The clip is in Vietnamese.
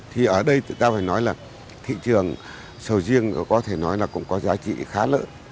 thì ở đây ta phải nói là thị trường sầu riêng có thể nói là cũng có giá trị khá lớn